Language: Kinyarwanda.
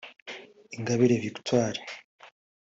Ingabire Victoire